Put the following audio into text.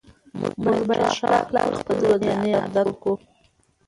موږ باید ښه اخلاق خپل ورځني عادت کړو